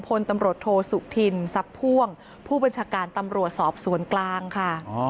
พลตำรวจโธสุตินซับพ่วงผู้บริหารปุงกรสม์ส่วนกลางค่ะ